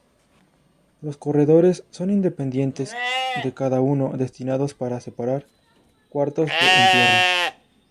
Los corredores son independientes de cada uno, destinados para separar cuartos de entierro.